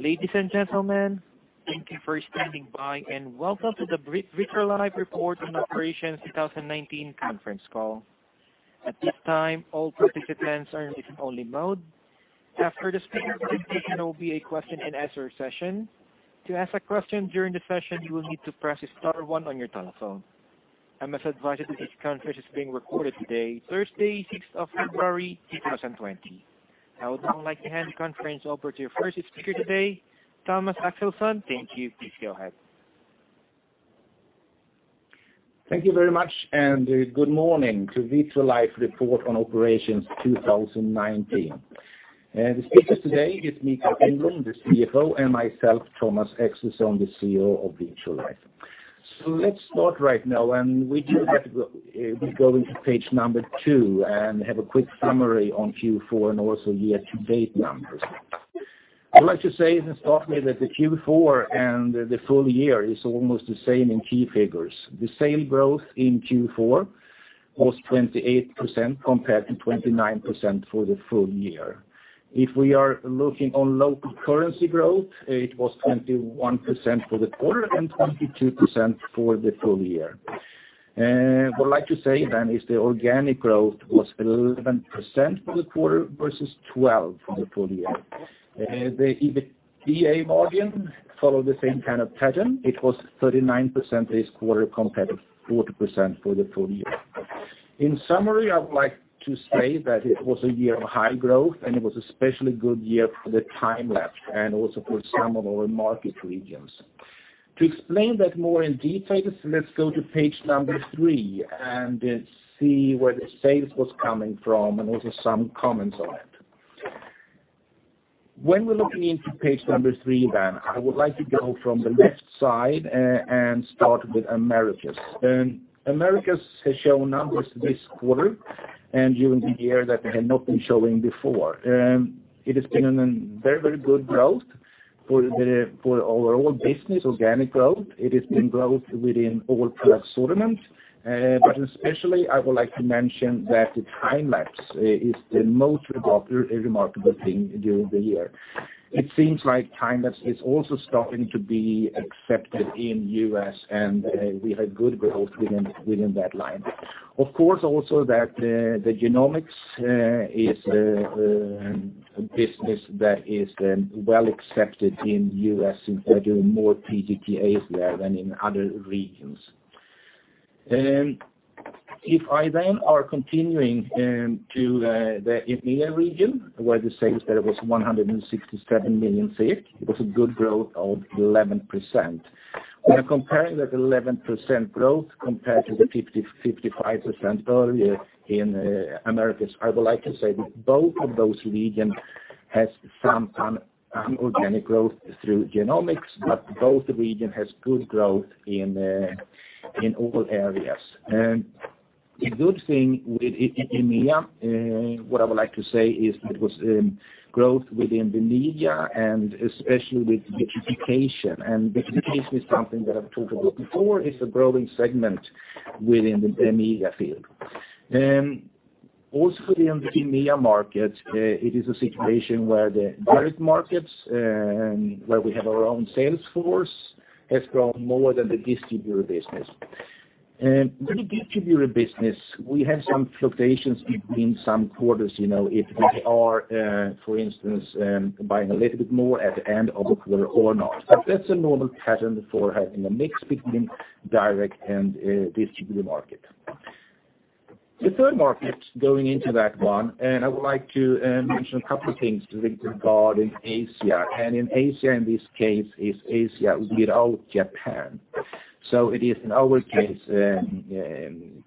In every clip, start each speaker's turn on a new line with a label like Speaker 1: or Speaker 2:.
Speaker 1: Ladies and gentlemen, thank you for standing by, and welcome to the Vitrolife Report on Operations 2019 conference call. At this time, all participants are in listen-only mode. After the speaker presentation, there will be a question-and-answer session. To ask a question during the session, you will need to press star one on your telephone. I must advise that this conference is being recorded today, Thursday, 6th of February, 2020. I would now like to hand the conference over to your first speaker today, Thomas Axelsson. Thank you. Please go ahead.
Speaker 2: Thank you very much, and good morning to Vitrolife Report on Operations 2019. The speakers today is Mikael Engblom, the CFO, and myself, Thomas Axelsson, the CEO of Vitrolife. Let's start right now, and we go into page number two and have a quick summary on Q4 and also year-to-date numbers. I would like to say, starting with the Q4 and the full year is almost the same in key figures. The same growth in Q4 was 28% compared to 29% for the full year. If we are looking on local currency growth, it was 21% for the quarter and 22% for the full year. What I like to say then is the organic growth was 11% for the quarter versus 12% for the full year. The EBITDA margin followed the same kind of pattern. It was 39% this quarter compared to 40% for the full year. In summary, I would like to say that it was a year of high growth, and it was especially a good year for the Time-lapse and also for some of our market regions. To explain that more in detail, let's go to page number three and see where the sales was coming from and also some comments on it. When we're looking into page number three then, I would like to go from the left side and start with Americas. Americas has shown numbers this quarter and during the year that they had not been showing before. It has been a very good growth for our overall business organic growth. It has been growth within all product assortments. Especially, I would like to mention that the Time-lapse is the most remarkable thing during the year. It seems like Time-lapse is also starting to be accepted in U.S., and we had good growth within that line. Of course, also that the genomics is a business that is well accepted in U.S. since they're doing more PGT-As there than in other regions. If I then are continuing to the EMEA region, where the sales there was 167 million, it was a good growth of 11%. When comparing that 11% growth compared to the 55% earlier in the Americas, I would like to say both of those regions has some inorganic growth through genomics, but both regions has good growth in all areas. A good thing with EMEA, what I would like to say is it was growth within the media and especially with vitrification, and vitrification is something that I've talked about before, is a growing segment within the media field. In the EMEA market, it is a situation where the direct markets, where we have our own sales force, has grown more than the distributor business. With the distributor business, we have some fluctuations between some quarters, if they are, for instance, buying a little bit more at the end of the quarter or not. That's a normal pattern for having a mix between direct and distributor market. The third market, going into that one, I would like to mention a couple of things regarding Asia, in Asia, in this case, is Asia without Japan. It is, in our case,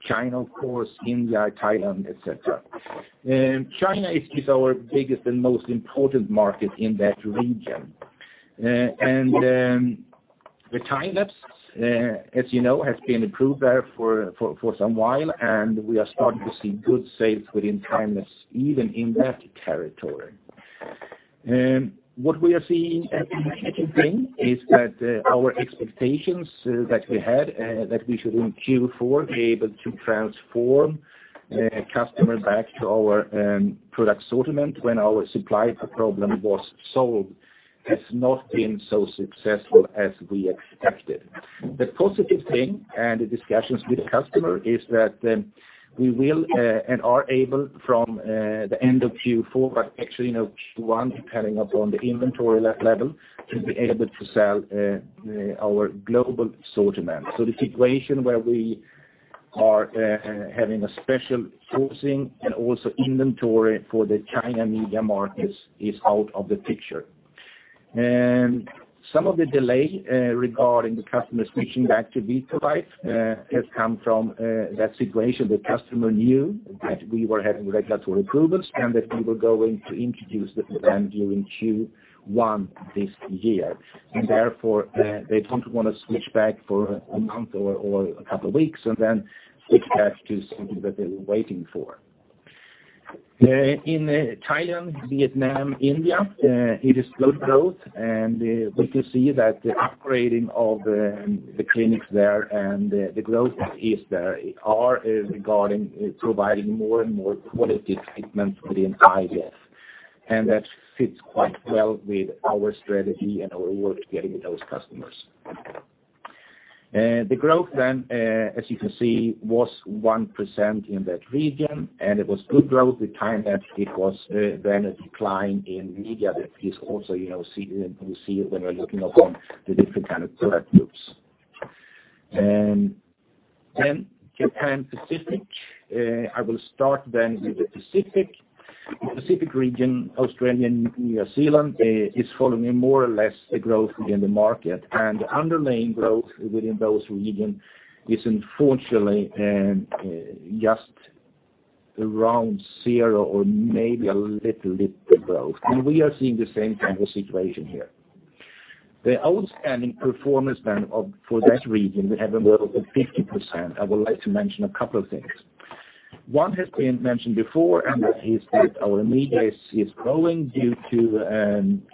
Speaker 2: China, of course, India, Thailand, et cetera. China is our biggest and most important market in that region. The Time-lapse, as you know, has been approved there for some while, we are starting to see good sales within Time-lapse, even in that territory. What we are seeing as an interesting thing is that our expectations that we had, that we should, in Q4, be able to transform customer back to our product assortment when our supply problem was solved, has not been so successful as we expected. The positive thing, and the discussions with customer, is that we will, and are able from the end of Q4, but actually now Q1, depending upon the inventory level, to be able to sell our global assortment. The situation where we are having a special sourcing and also inventory for the China media markets is out of the picture. Some of the delay regarding the customers switching back to Vitrolife has come from that situation. The customer knew that we were having regulatory approvals and that we were going to introduce the program during Q1 this year, and therefore, they don't want to switch back for a month or a couple of weeks and then switch back to something that they were waiting for. In Thailand, Vietnam, India, it is slow growth, and we could see that the upgrading of the clinics there and the growth is there are regarding providing more and more quality treatments within IVF, and that fits quite well with our strategy and our work together with those customers. The growth then, as you can see, was 1% in that region, and it was good growth. The Time-lapse, it was then a decline in media that you see it when we're looking upon the different kind of. Japan Pacific. I will start then with the Pacific. Pacific region, Australia, and New Zealand, is following more or less the growth within the market. Underlying growth within those region is unfortunately just around zero or maybe a little bit growth. We are seeing the same kind of situation here. The outstanding performance then for that region, we have a growth of 50%. I would like to mention a couple of things. One has been mentioned before, and that is that our media is growing due to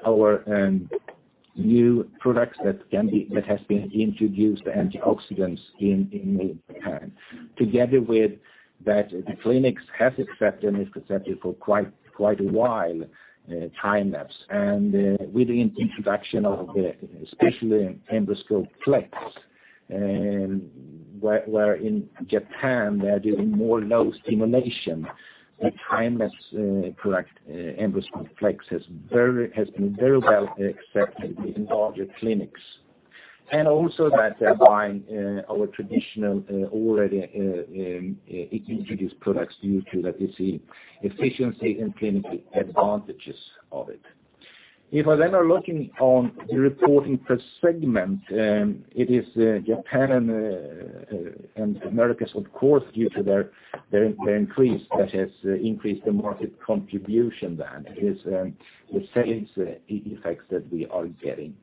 Speaker 2: our new products that has been introduced, antioxidants in Japan, together with that the clinics has accepted, and it's accepted for quite a while, Time-lapse. With the introduction of the, especially EmbryoScope Flex, where in Japan they are doing more low stimulation. The Time-lapse product, EmbryoScope Flex, has been very well accepted in larger clinics. Also that they're buying our traditional, already introduced products due to that you see efficiency and clinical advantages of it. If I then are looking on the reporting per segment, it is Japan and Americas, of course, due to their increase. That has increased the market contribution then. It is the sales effects that we are getting.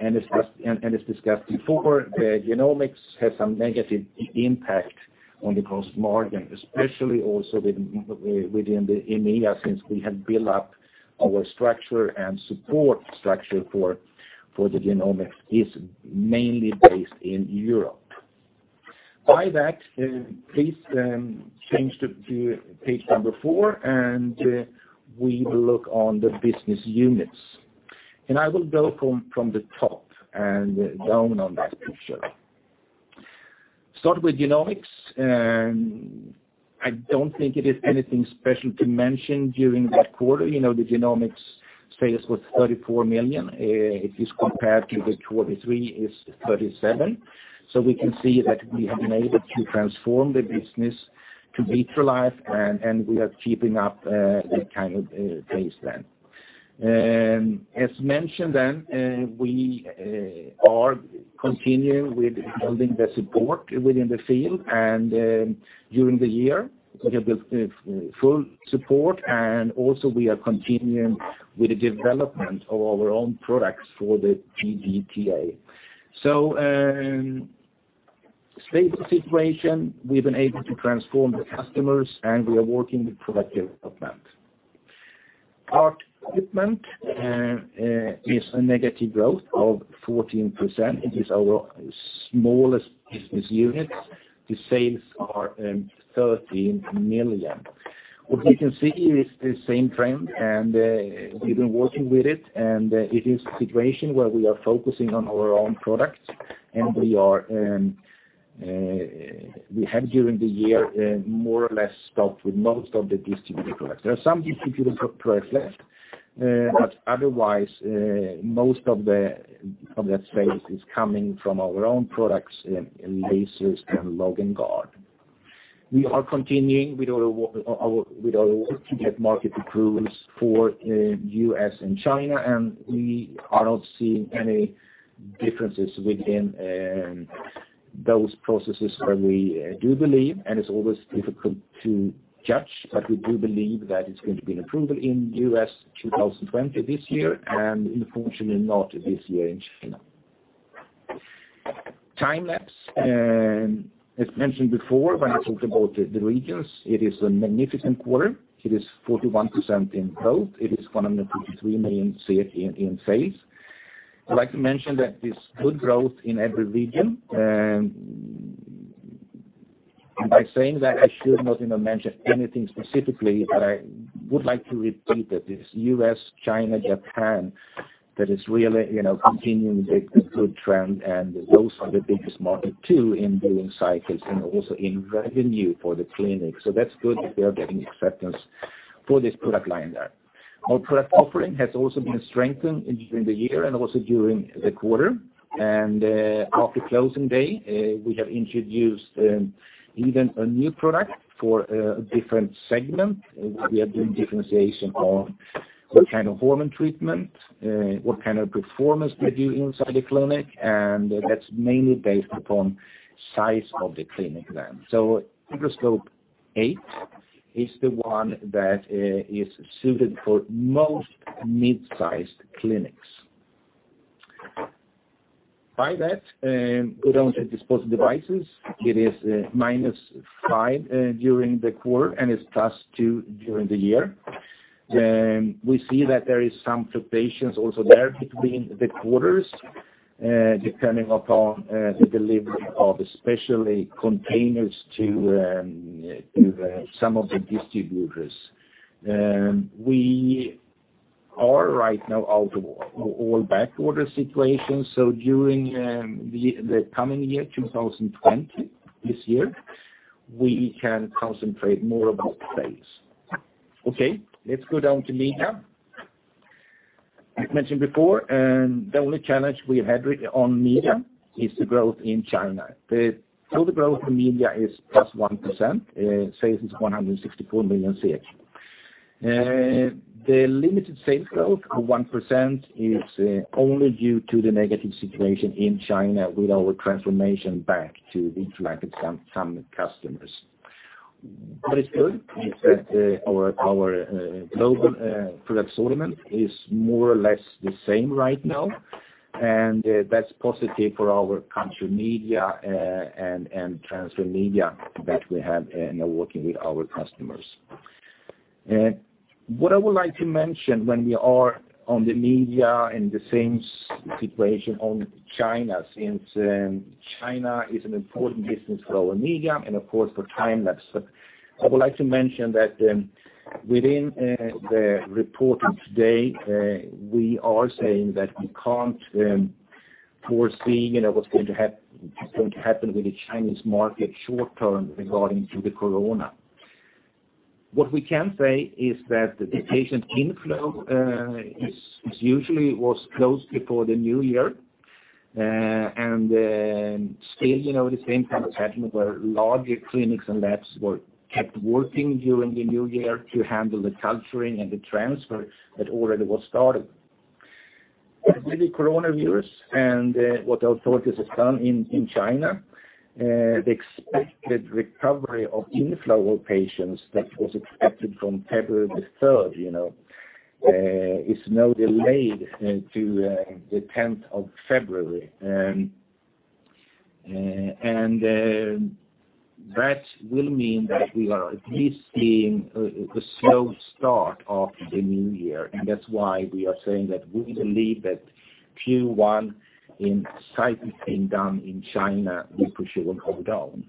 Speaker 2: As discussed before, the genomics had some negative impact on the gross margin, especially also within the EMEA, since we have built up our structure and support structure for the genomics is mainly based in Europe. By that, please change to page number four, we look on the business units. I will go from the top and down on that picture. Start with genomics. I don't think it is anything special to mention during that quarter. The genomics sales was 34 million. Compared to the [33%], it is 37%. We can see that we have been able to transform the business to Vitrolife, and we are keeping up the kind of pace. As mentioned, we are continuing with building the support within the field. During the year, it will be full support, and also we are continuing with the development of our own products for the PGT-A. Stable situation. We've been able to transform the customers, and we are working with product development. ART equipment is a negative growth of 14%. It is our smallest business unit. The sales are 13 million. What we can see is the same trend, and we've been working with it, and it is a situation where we are focusing on our own products, and we have during the year, more or less stopped with most of the distributor products. There are some left. Otherwise, most of that space is coming from our own products, Lasers and Log&Guard. We are continuing with our work to get market approvals for U.S. and China. We are not seeing any differences within those processes where we do believe, and it's always difficult to judge, but we do believe that it's going to be an approval in U.S. 2020, this year, and unfortunately not this year in China. Time-lapse, as mentioned before, when I talked about the regions, it is a magnificent quarter. It is 41% in growth. It is 153 million in sales. I'd like to mention that it's good growth in every region. By saying that, I should not even mention anything specifically, but I would like to repeat that it's U.S., China, Japan that is really continuing the good trend, and those are the biggest market too in doing cycles and also in revenue for the clinic. That's good that they're getting acceptance for this product line there. Our product offering has also been strengthened during the year and also during the quarter. After closing day, we have introduced even a new product for a different segment. We are doing differentiation on what kind of hormone treatment, what kind of performance they do inside the clinic, and that's mainly based upon size of the clinic then. EmbryoScope 8 is the one that is suited for most mid-sized clinics. By that, we don't have disposable devices. It is -5 during the quarter and is +2 during the year. We see that there is some fluctuations also there between the quarters, depending upon the delivery of especially containers to some of the distributors. We are right now out of all backorder situations. During the coming year, 2020, this year, we can concentrate more about sales. Okay, let's go down to media. I've mentioned before, the only challenge we have had on media is the growth in China. The total growth in media is +1%, sales is 164 million. The limited sales growth of 1% is only due to the negative situation in China with our transformation back to the Vitrolife some customers. It's good that our global product assortment is more or less the same right now, and that's positive for our culture media, and transfer media that we have now working with our customers. What I would like to mention when we are on the media, in the same situation on China, since China is an important business for our media and of course for Time-lapse. I would like to mention that, within the report today, we are saying that we can't foresee what's going to happen with the Chinese market short term regarding to the coronavirus. What we can say is that the patient inflow, is usually was closed before the new year, and still, the same kind of pattern where larger clinics and labs were kept working during the new year to handle the culturing and the transfer that already was started. With the coronavirus and what authorities have done in China, the expected recovery of inflow patients that was expected from February the 3rd, is now delayed to the 10th of February. That will mean that we are at least seeing a slow start of the. That's why we are saying that we believe that Q1 in came down in China, we presume will hold down.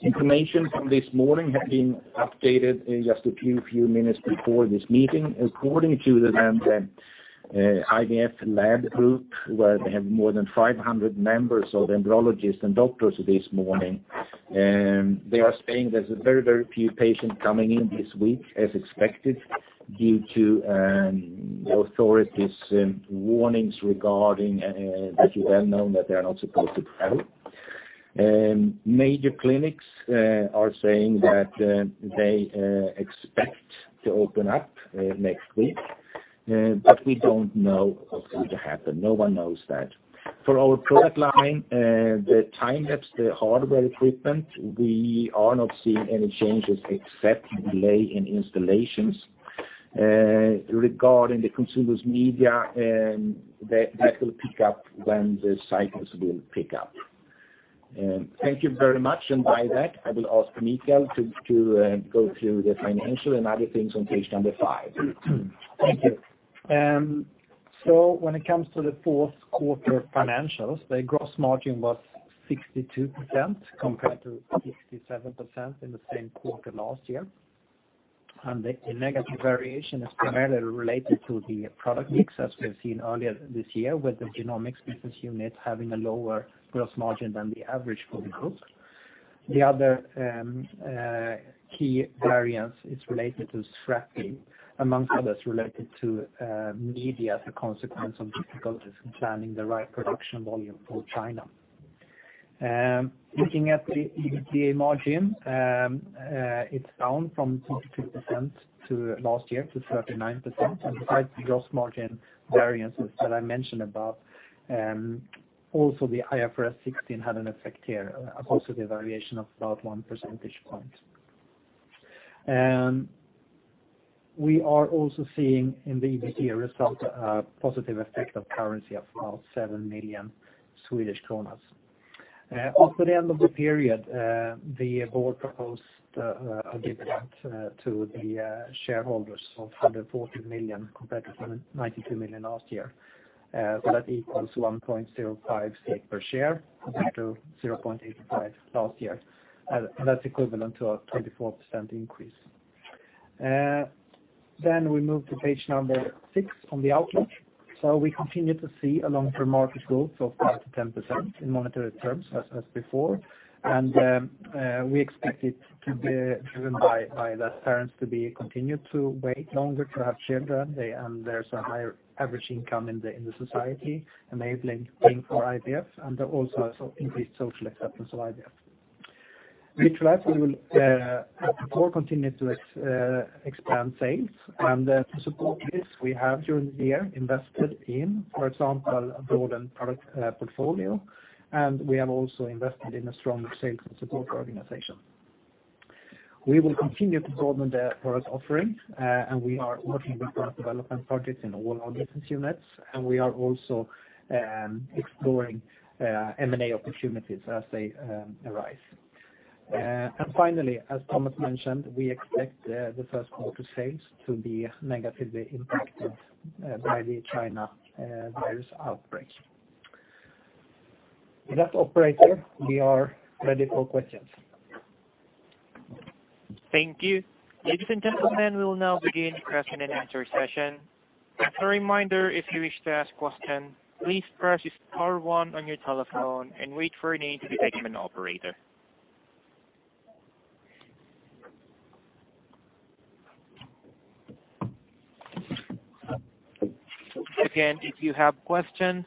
Speaker 2: Information from this morning had been updated in just a few minutes before this meeting. According to the IVF lab group, where they have more than 500 members of embryologists and doctors this morning, they are saying there's very few patients coming in this week as expected, due to authorities warnings regarding, as you well know, that they are not supposed to travel. Major clinics are saying that they expect to open up next week, but we don't know what's going to happen. No one knows that. For our product line, the Time-lapse, the hardware equipment, we are not seeing any changes except delay in installations. Regarding the consumer's media, that will pick up when the cycles will pick up. Thank you very much. By that, I will ask Mikael to go through the financial and other things on page number five.
Speaker 3: Thank you. When it comes to the fourth quarter financials, the gross margin was 62% compared to 67% in the same quarter last year. The negative variation is primarily related to the product mix, as we've seen earlier this year, with the genomics business unit having a lower gross margin than the average for the group. The other key variance is related to scrapping, amongst others, related to media as a consequence of difficulties in planning the right production volume for China. Looking at the EBITDA margin, it's down from% to last year to 39%. Besides the gross margin variances that I mentioned above, also the IFRS 16 had an effect here, a positive variation of about one percentage point. We are also seeing in the EBITDA result a positive effect of currency of about 7 million Swedish kronor. Off the end of the period, the board proposed a dividend to the shareholders of 140 million compared to 92 million last year. That equals 1.05 per share compared to 0.85 last year. That's equivalent to a 24% increase. We move to page number six on the outlook. We continue to see a long-term market growth of to 10% in monetary terms as before. We expect it to be driven by less parents to be continued to wait longer to have children. There's a higher average income in the society enabling paying for IVF and also increased social acceptance of IVF. Vitrolife will, as before, continue to expand sales. To support this, we have during the year invested in, for example, a broadened product portfolio. We have also invested in a strong sales and support organization. We will continue to broaden the product offering, we are working with product development projects in all our business units. We are also exploring M&A opportunities as they arise. Finally, as Thomas mentioned, we expect the first quarter sales to be negatively impacted by the coronavirus outbreak. With that operator, we are ready for questions.
Speaker 1: Thank you. Ladies and gentlemen, we will now begin the question and answer session. As a reminder, if you wish to ask questions, please press star one on your telephone and wait for your name to be taken by an operator. Again, if you have questions,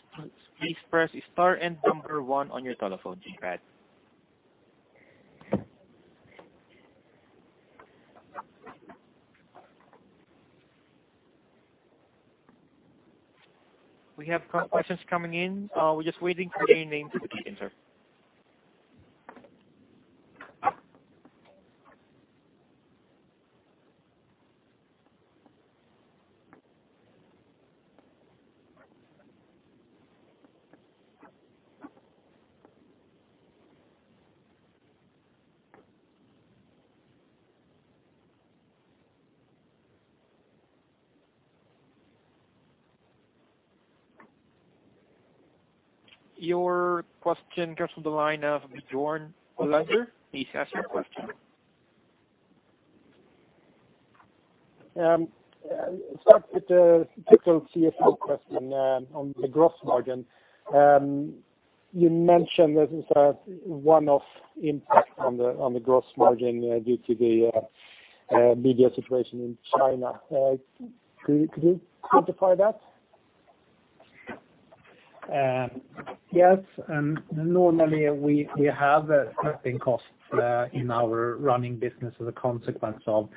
Speaker 1: please press star and number one on your telephone to be added. We have questions coming in. We're just waiting for your name to be taken, sir. Your question comes from the line of Björn. Please ask your question.
Speaker 4: Start with the typical CFO question on the gross margin. You mentioned there's a one-off impact on the gross margin due to the media situation in China. Could you quantify that?
Speaker 3: Yes. Normally we have scrapping costs in our running business as a consequence of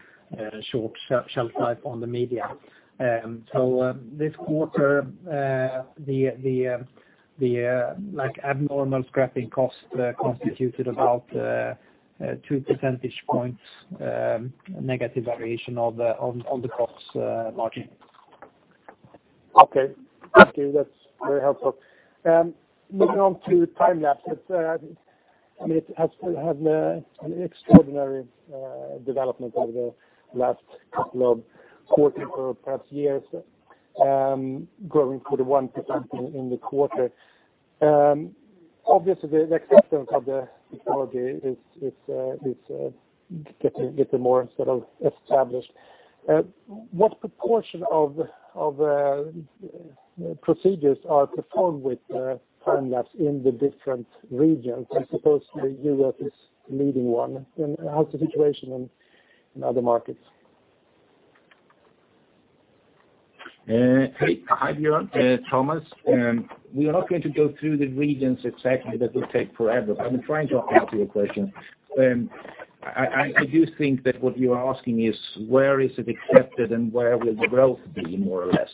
Speaker 3: short shelf life on the media. This quarter, the abnormal scrapping cost constituted about 2 percentage points, negative variation on the COGS margin.
Speaker 4: Okay. Thank you. That's very helpful. Moving on to Time-lapse. It has had an extraordinary development over the last couple of quarters or perhaps years, growing 41% in the quarter. Obviously, the acceptance of the technology is getting more sort of established. What proportion of procedures are performed with Time-lapse in the different regions? I suppose the U.S. is the leading one. How's the situation in other markets?
Speaker 2: Hi, Björn. Thomas. We are not going to go through the regions exactly, that will take forever. I'm trying to answer your question. I do think that what you are asking is, where is it accepted and where will the growth be, more or less.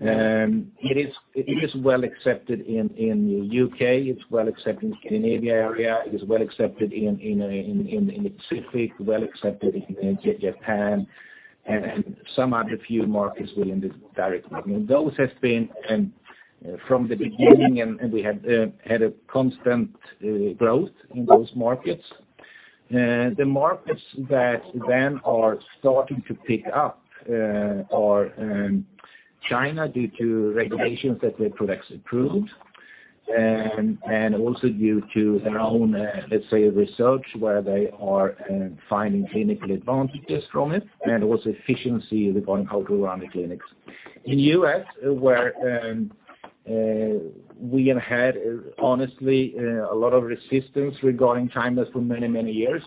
Speaker 2: It is well accepted in the U.K., it's well accepted in the Scandinavia area, it is well accepted in the Pacific, well accepted in Japan, and some other few markets within this territory. Those has been from the beginning, and we had a constant growth in those markets. The markets that then are starting to pick up are China due to regulations that their products approved, and also due to their own, let's say, research, where they are finding clinical advantages from it, and also efficiency regarding how to run the clinics. In U.S., where we have had, honestly, a lot of resistance regarding Time-lapse for many, many years,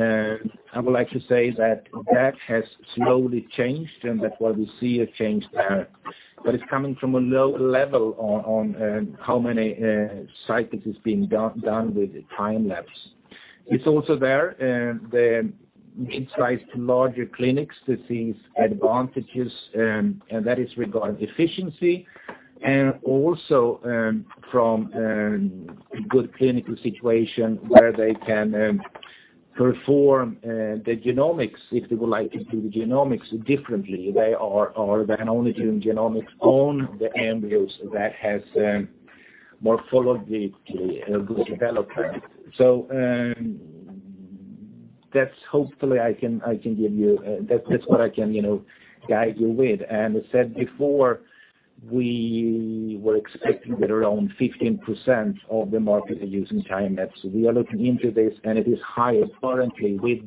Speaker 2: I would like to say that that has slowly changed. That's why we see a change there. It's coming from a low level on how many cycles is being done with the Time-Lapse. It's also there, the midsize to larger clinics to see advantages. That is regarding efficiency and also from good clinical situation where they can perform the genomics, if they would like to do the genomics differently. They are only doing genomics on the embryos that has morphology good development. That's hopefully I can give you that's what I can guide you with. As I said before, we were expecting that around 15% of the market are using Time-lapse. We are looking into this. It is higher currently with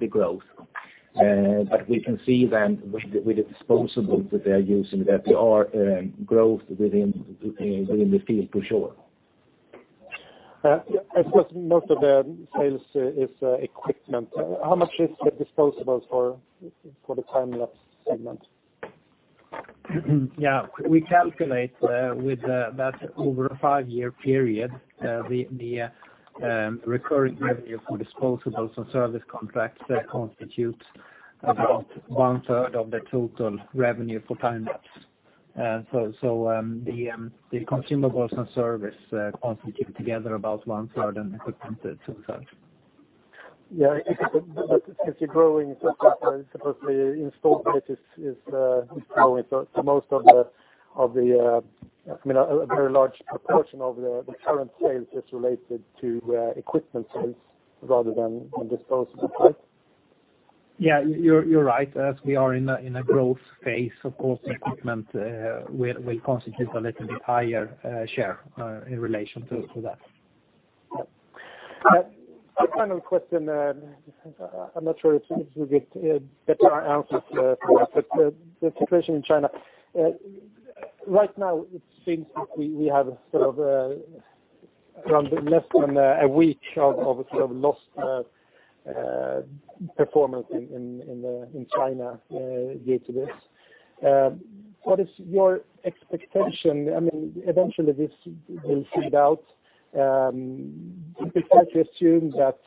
Speaker 2: the growth. We can see then with the disposables that they are using, that there are growth within the field for sure.
Speaker 4: I suppose most of the sales is equipment. How much is the disposables for the Time-lapse segment?
Speaker 3: We calculate with that over a five-year period, the recurring revenue for disposables and service contracts constitute about 1/3 of the total revenue for Time-lapse. The consumables and service constitute together about 1/3 and equipment 2/3.
Speaker 4: Yeah. Since you're growing, I suppose the install base is growing. Most of the, I mean, a very large proportion of the current sales is related to equipment sales rather than disposables, right?
Speaker 3: Yeah, you're right. As we are in a growth phase, of course, equipment will constitute a little bit higher share in relation to that.
Speaker 4: A final question, I'm not sure if we get better answers from that, the situation in China. Right now, it seems that we have sort of less than a week of sort of lost performance in China due to this. What is your expectation? Eventually, this will sort out. Is it fair to assume that,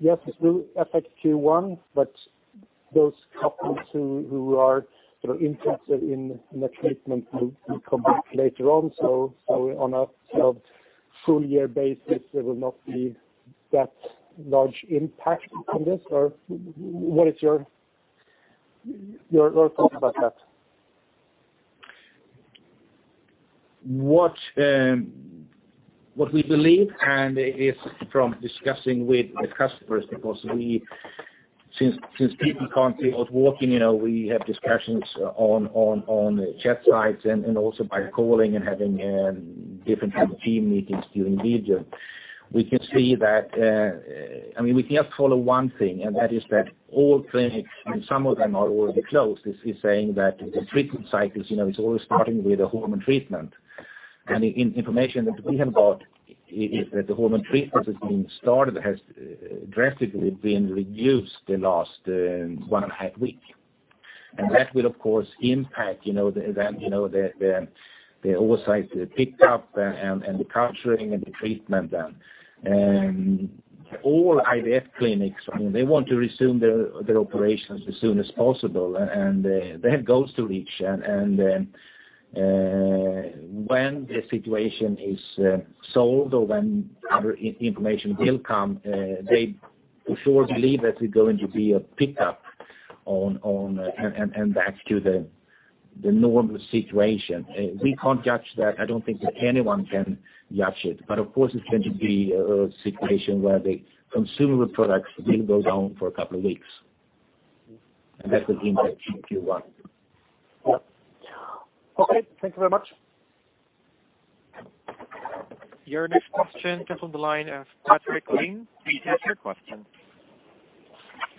Speaker 4: yes, this will affect Q1, but those couples who are interested in the treatment will come back later on, so are we on a full year basis, there will not be that large impact from this? What is your thought about that?
Speaker 2: What we believe, and is from discussing with the customers, because since people can't be out working, we have discussions on chat sites and also by calling and having different kind of team meetings during. We can just follow one thing, and that is that all clinics, and some of them are already closed, is saying that the treatment cycles, it's always starting with a hormone treatment. The information that we have got is that the hormone treatment that's been started has drastically been reduced the last one and a half week. That will, of course, impact the oversight, the pickup, and the capturing and the treatment. All IVF clinics, they want to resume their operations as soon as possible, and they have goals to reach. When the situation is solved or when other information will come, they for sure believe that there's going to be a pickup and back to the normal situation. We can't judge that. I don't think that anyone can judge it. Of course, it's going to be a situation where the consumable products will go down for a couple of weeks, and that will impact Q1.
Speaker 4: Okay. Thank you very much.
Speaker 1: Your next question comes on the line of Patrik Ling. Please ask your question.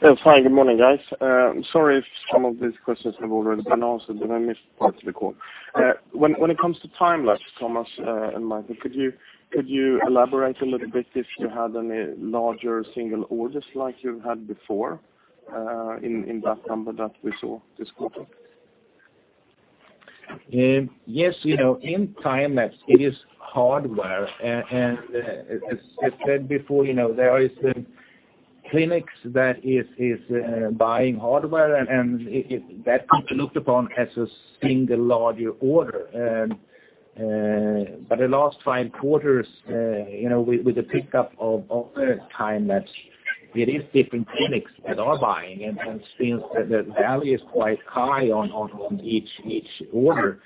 Speaker 5: Hi, good morning, guys. Sorry if some of these questions have already been answered. I missed parts of the call. When it comes to Time-lapse, Thomas and Mikael, could you elaborate a little bit if you had any larger single orders like you had before in that number that we saw this quarter?
Speaker 2: Yes, in Time-lapse, it is hardware, and as I said before, there is the clinics that is buying hardware, and that can't be looked upon as a single larger order. The last five quarters, with the pickup of Time-lapse, it is different clinics that are buying. Since the value is quite high on each order,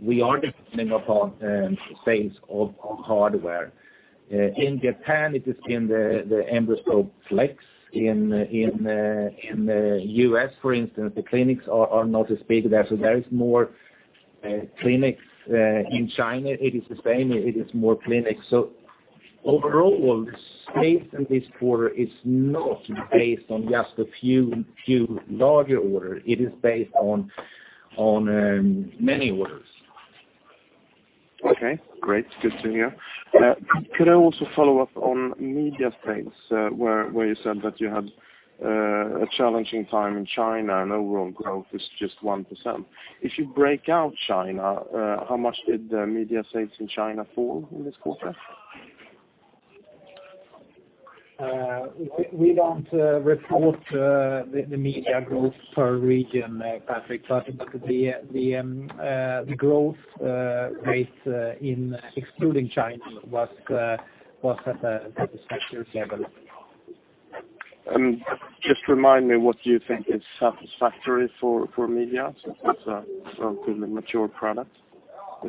Speaker 2: we are depending upon sales of hardware. In Japan, it is in the EmbryoScope Flex. In the U.S., for instance, the clinics are not as big there, so there is more clinics. In China, it is the same, it is more clinics. Overall, the space in this quarter is not based on just a few larger order. It is based on many orders.
Speaker 5: Okay, great. Good to hear. Could I also follow up on media space, where you said that you had a challenging time in China and overall growth is just 1%. If you break out China, how much did media sales in China fall in this quarter?
Speaker 3: We don't report the media growth per region, Patrik, but the growth rate in excluding China was at a satisfactory level.
Speaker 5: Just remind me what you think is satisfactory for media since it's a pretty mature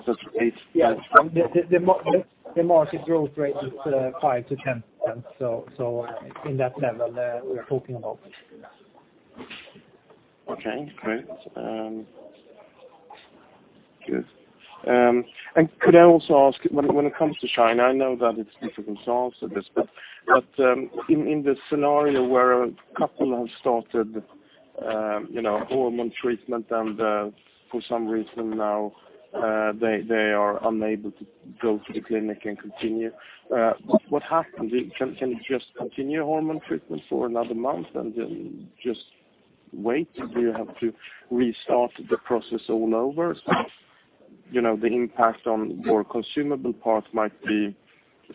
Speaker 5: product. Is it 8%?
Speaker 3: The market growth rate is 5%-10%, so in that level we're talking about.
Speaker 5: Okay, great. Good. Could I also ask, when it comes to China, I know that it's difficult to answer this, but in the scenario where a couple have started hormone treatment and for some reason now they are unable to go to the clinic and continue, what happens? Can you just continue hormone treatment for another month and then just wait, or do you have to restart the process all over? The impact on your consumable part might be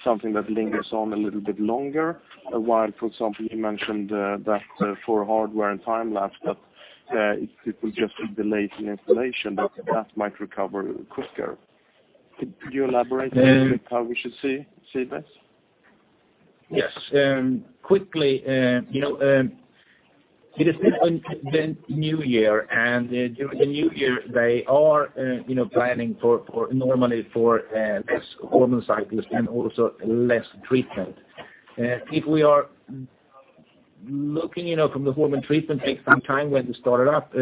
Speaker 5: something that lingers on a little bit longer, while, for example, you mentioned that for hardware and Time-lapse, that it will just be delays in installation, that might recover quicker. Could you elaborate a little how we should see this?
Speaker 2: Yes. Quickly, it is still in the new year, during the new year, they are planning normally for less hormone cycles and also less treatment. If we are looking from the hormone treatment, take some time when they started up.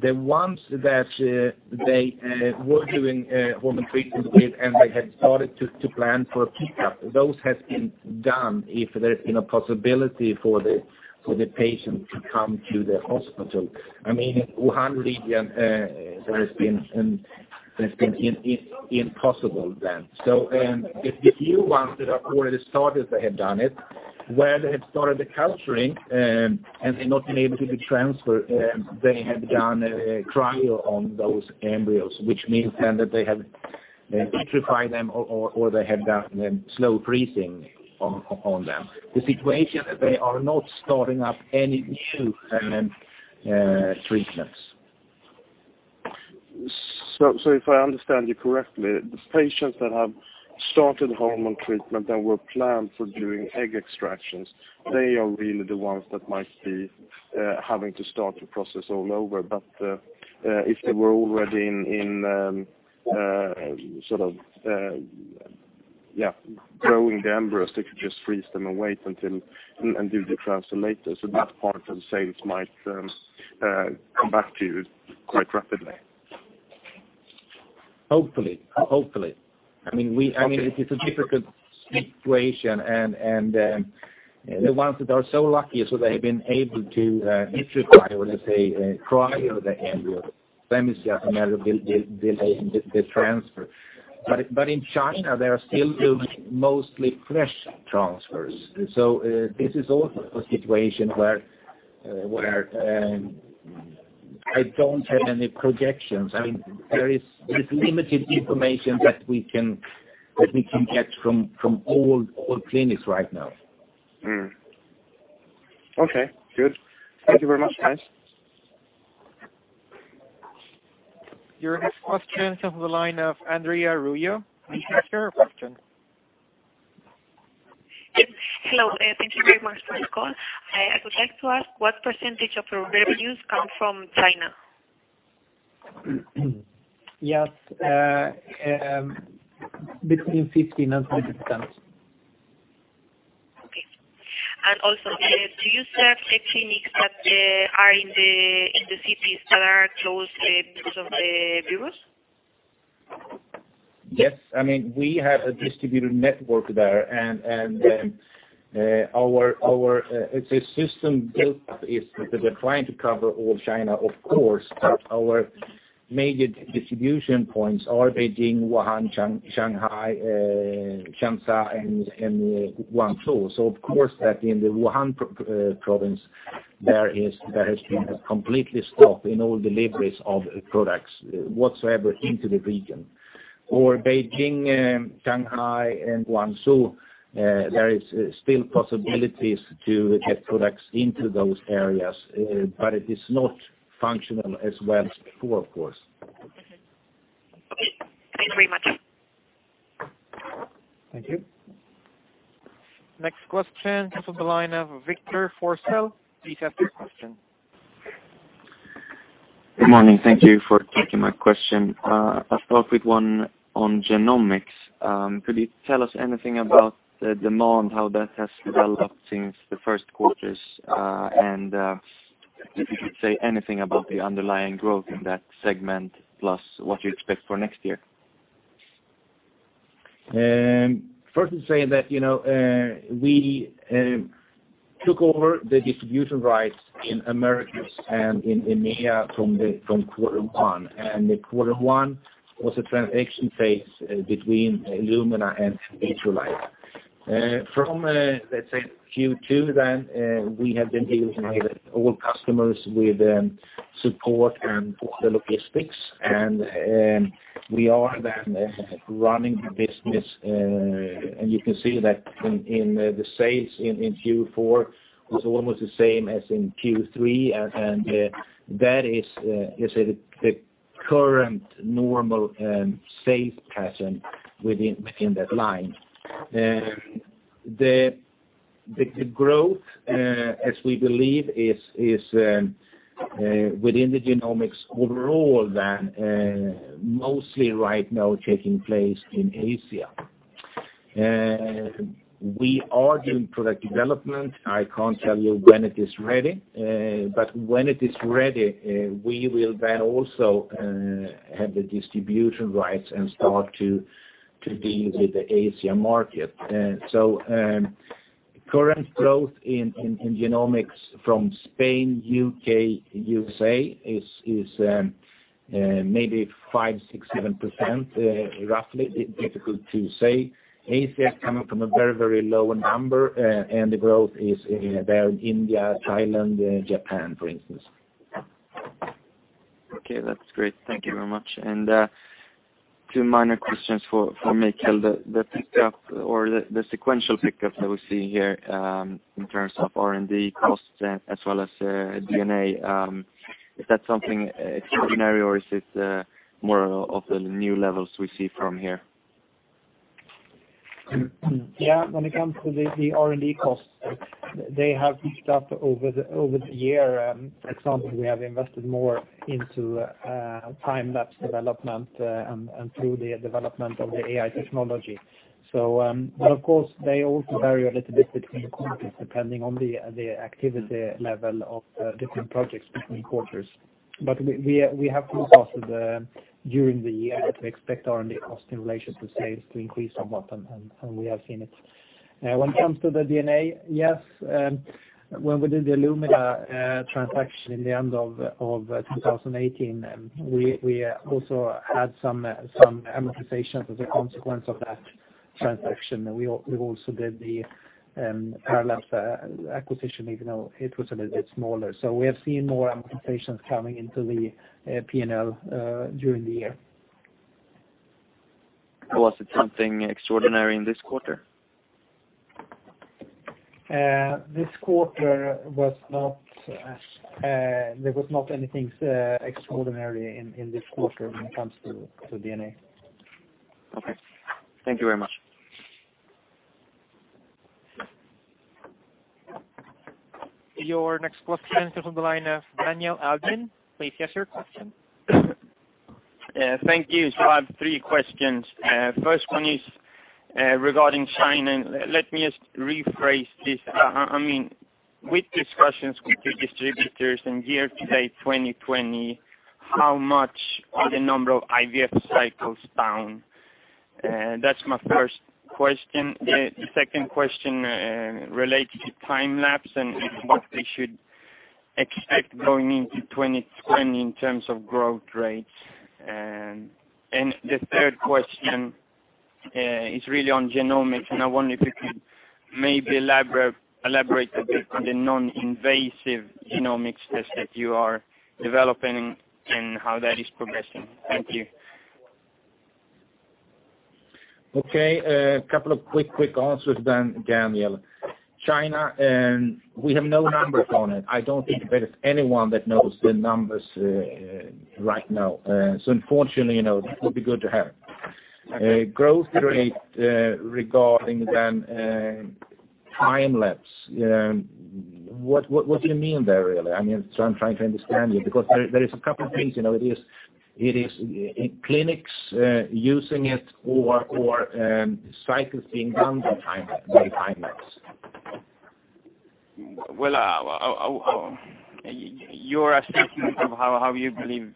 Speaker 2: The ones that they were doing hormone treatment with and they had started to plan for a pickup, those have been done if there's been a possibility for the patient to come to the hospital. In Wuhan region, that has been impossible then. The few ones that have already started, they have done it. Where they have started the culturing, and they're not able to do transfer, they have done a trial on those embryos, which means then that they have vitrified them or they have done slow freezing on them. The situation that they are not starting up any new treatments.
Speaker 5: If I understand you correctly, the patients that have started hormone treatment that were planned for doing egg extractions, they are really the ones that might be having to start the process all over. If they were already growing the embryos, they could just freeze them and wait and do the transfer later. That part of the sales might come back to you quite rapidly.
Speaker 2: Hopefully. It is a difficult situation. The ones that are so lucky, so they've been able to vitrify or, let's say, cryo the embryo. It's just a matter of delaying the transfer. In China, they are still doing mostly fresh transfers. This is also a situation where I don't have any projections. There is limited information that we can get from all clinics right now.
Speaker 5: Okay, good. Thank you very much, guys.
Speaker 1: Your next question comes from the line of Andrea Ruyo. Please ask your question.
Speaker 6: Yes. Hello, thank you very much for this call. I would like to ask what percentage of your revenues come from China?
Speaker 2: Yes, between 15% and 20%.
Speaker 6: Okay. Also, do you serve the clinics that are in the cities that are closed because of the coronavirus?
Speaker 2: Yes. We have a distributed network there, and our system built is trying to cover all China, of course, but our major distribution points are Beijing, Wuhan, Shanghai, Changsha, and Guangzhou. Of course, that in the Wuhan province, there has been a completely stop in all deliveries of products whatsoever into the region. For Beijing, Shanghai, and Guangzhou, there is still possibilities to get products into those areas, but it is not functional as well as, of course.
Speaker 6: Okay. Thanks very much.
Speaker 2: Thank you.
Speaker 1: Next question comes from the line of Victor Forssell. Please ask your question.
Speaker 7: Good morning. Thank you for taking my question. I will start with one on genomics. Could you tell us anything about the demand, how that has developed since the first quarters, and if you could say anything about the underlying growth in that segment, plus what you expect for next year?
Speaker 2: First to say that we took over the distribution rights in Americas and in EMEA from quarter one. The quarter one was a transaction phase between Illumina and Vitrolife. From, let's say, Q2 then, we have been dealing with all customers with support and the logistics. We are then running the business. You can see that in the sales in Q4 was almost the same as in Q3. That is the current normal sales pattern within that line. The growth, as we believe, within the genomics overall then, mostly right now taking place in Asia. We are doing product development. I can't tell you when it is ready. When it is ready, we will then also have the distribution rights and start to deal with the Asia market. Current growth in genomics from Spain, U.K., U.S.A. is maybe 5%, 6%, 7%, roughly. Difficult to say. Asia is coming from a very low number, and the growth is there in India, Thailand, Japan, for instance.
Speaker 7: Okay. That's great. Thank you very much. Two minor questions for Mikael. The pickup or the sequential pickup that we're seeing here, in terms of R&D costs as well as D&A, is that something extraordinary or is this more of the new levels we see from here?
Speaker 3: Yeah, when it comes to the R&D costs, they have beefed up over the year. For example, we have invested more into Time-lapse development and through the development of the AI technology. Of course, they also vary a little bit between quarters, depending on the activity level of different projects between quarters. We have seen also during the year that we expect R&D cost in relation to sales to increase somewhat, and we have seen it. When it comes to the D&A, yes, when we did the Illumina transaction in the end of 2018, we also had some amortizations as a consequence of that transaction. We also did the Paralux acquisition even though it was a little bit smaller. We have seen more amortizations coming into the P&L during the year.
Speaker 7: Was it something extraordinary in this quarter?
Speaker 3: There was not anything extraordinary in this quarter when it comes to D&A.
Speaker 7: Okay. Thank you very much.
Speaker 1: Your next question comes on the line of Daniel Albin. Please ask your question.
Speaker 8: Thank you. I have three questions. First one is regarding China. Let me just rephrase this. With discussions with the distributors in year to date 2020, how much are the number of IVF cycles down? That's my first question. The second question relates to Time-lapse and what we should expect going into 2020 in terms of growth rates. The third question is really on genomics, and I wonder if you could maybe elaborate a bit on the non-invasive genomics test that you are developing and how that is progressing. Thank you.
Speaker 2: A couple of quick answers then, Daniel. China, we have no numbers on it. I don't think there is anyone that knows the numbers right now. Unfortunately, that would be good to have. Growth rate regarding Time-lapse. What do you mean there, really? I'm trying to understand you, there is a couple of things. It is clinics using it or cycles being done by Time-lapse.
Speaker 8: Your assessment of how you believe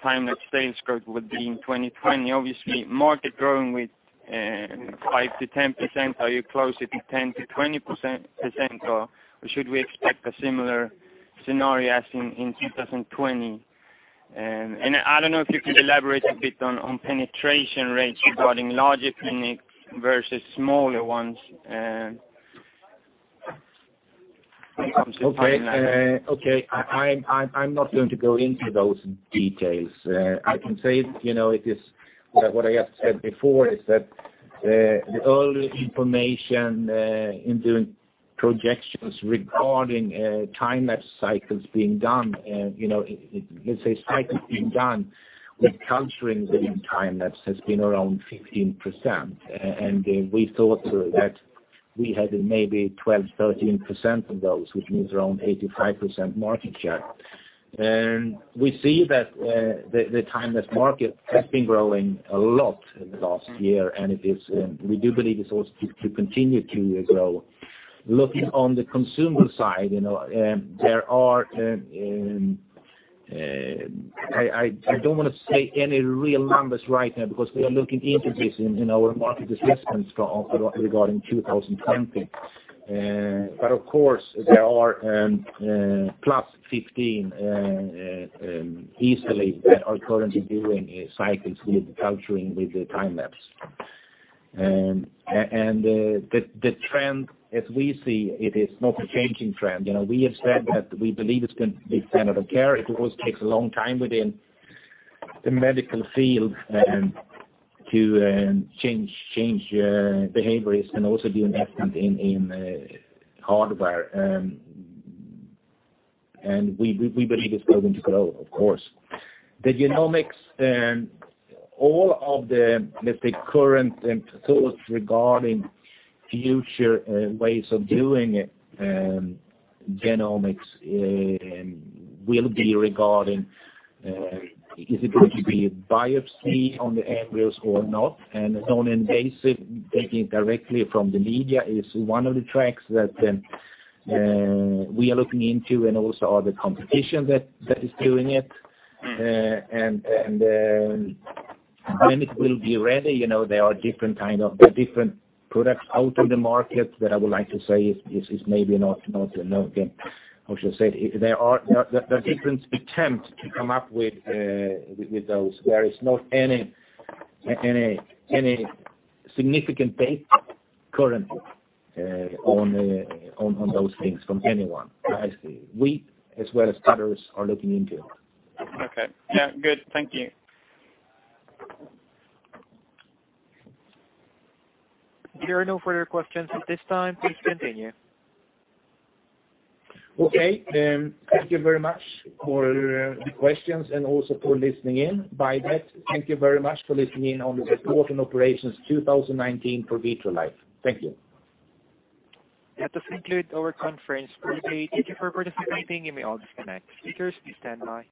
Speaker 8: Time-lapse sales growth would be in 2020. Obviously, market growing with 5%-10%. Are you closer to 10%-20%, or should we expect a similar scenario as in 2020? I don't know if you could elaborate a bit on penetration rates regarding larger clinics versus smaller ones when it comes to Time-lapse.
Speaker 2: Okay. I'm not going to go into those details. I can say, what I have said before is that the early information in doing projections regarding Time-lapse cycles being done, let's say cycles being done with culturing within Time-lapse has been around 15%. We thought that we had maybe 12%, 13% of those, which means around 85% market share. We see that the Time-lapse market has been growing a lot in the last year, and we do believe it's also to continue to grow. Looking on the consumer side, I don't want to say any real numbers right now because we are looking into this in our market assessments regarding 2020. Of course, there are +15% easily that are currently doing cycles with culturing with the Time-lapse. The trend as we see it is not a changing trend. We have said that we believe it's going to be center of care. It always takes a long time within the medical field to change behaviors and also the investment in hardware. We believe it's going to grow, of course. The genomics, all of the, let's say, current thoughts regarding future ways of doing it, genomics will be regarding, is it going to be a biopsy on the embryos or not? The non-invasive taking directly from the media is one of the tracks that we are looking into and also all the competition that is doing it. When it will be ready, there are different products out on the market that I would like to say is maybe not, how should I say it? There are different attempts to come up with those. There is not any significant data currently on those things from anyone that I see. We, as well as others, are looking into it.
Speaker 8: Okay. Yeah. Good. Thank you.
Speaker 1: There are no further questions at this time. Please continue.
Speaker 2: Okay. Thank you very much for the questions and also for listening in. By that, thank you very much for listening in on the report on operations 2019 for Vitrolife. Thank you.
Speaker 1: That does conclude our conference call today. Thank you for participating. You may all disconnect. Speakers, please stand by.